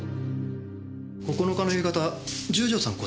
９日の夕方十条さん